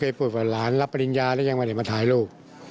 พูดว่าหลานรับปริญญาแล้วยังไม่ได้มาถ่ายรูป